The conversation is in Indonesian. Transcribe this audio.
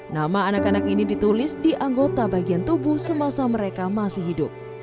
nama anak anak ini ditulis di anggota bagian tubuh semasa mereka masih hidup